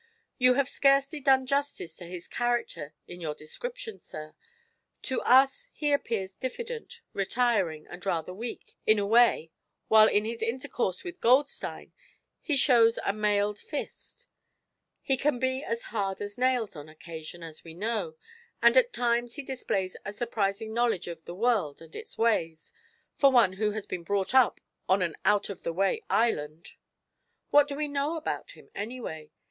You have scarcely done justice to his character in your description, sir. To us he appears diffident, retiring, and rather weak, in a way, while in his intercourse with Goldstein he shows a mailed fist. He can be hard as nails, on occasion, as we know, and at times he displays a surprising knowledge of the world and its ways for one who has been brought up on an out of the way island. What do we know about him, anyway?